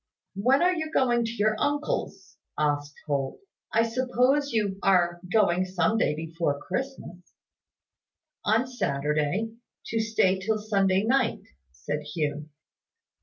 "When are you going to your uncle's?" asked Holt. "I suppose you are going some day before Christmas." "On Saturday, to stay till Sunday night," said Hugh.